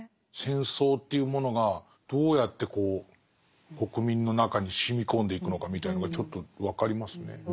戦争というものがどうやってこう国民の中にしみこんでいくのかみたいのがちょっと分かりますね。